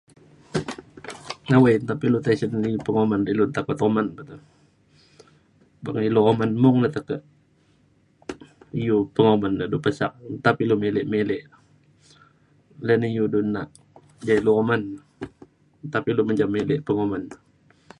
awai, nta pe ilu tesen iu pengoman da ilu nta okat oman pe to. beng ilu oman mung ne tekak iu pengoman da du pesak nta pe ilu milik milik. ley ne iu du nak ja ilu oman nta pe ilu mencam milik pengoman.